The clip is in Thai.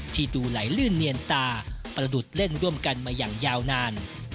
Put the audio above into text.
ที่ดูไหลลื่นเนียนตาประดุษเล่นร่วมกันมาอย่างยาวนาน